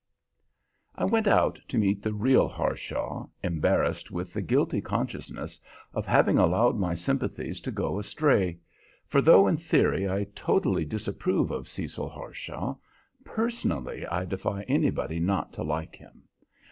I went out to meet the real Harshaw, embarrassed with the guilty consciousness of having allowed my sympathies to go astray; for though in theory I totally disapprove of Cecil Harshaw, personally I defy anybody not to like him.